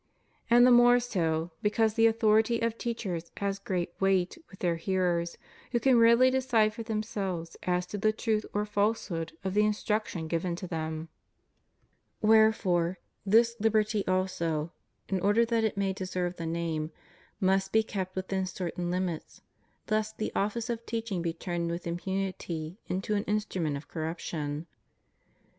And the more so, be cause the authority of teachers has great weight with their hearers, who can rarely decide for themselves as to the truth or falsehood of the instruction given to them. Wherefore, this liberty also, in order that it may deserve the name, must be kept within certain limits, lest the office of teaching be turned with impunity into an instru ment of corruption.